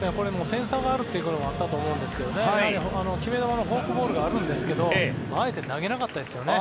点差があるということもあったと思うんですがやはり決め球のフォークボールがあるんですけどあえて投げなかったですね。